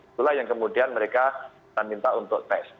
itulah yang kemudian mereka minta untuk tes